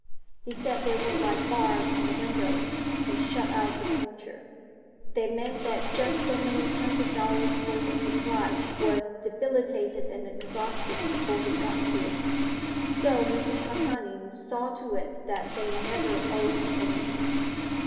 He said they were like bars on the windows, and shut out the future; they meant that just so many hundred dollars' worth of his life was debilitated and exhausted before he got to it. So Mrs. Harsanyi saw to it that they never owed anything.